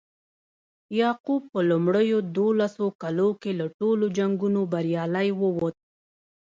یعقوب په لومړیو دولسو کالو کې له ټولو جنګونو بریالی ووت.